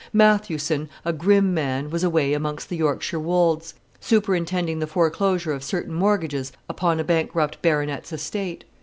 Mathewson, a grim man, was away amongst the Yorkshire wolds, superintending the foreclosure of certain mortgages upon a bankrupt baronet's estate.